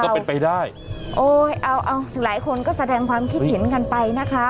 ก็เป็นไปได้โอ้ยเอาเอาหลายคนก็แสดงความคิดเห็นกันไปนะคะ